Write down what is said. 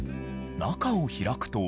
中を開くと。